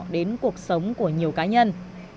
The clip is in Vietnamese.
đến cuộc sống của nhiều cá nhân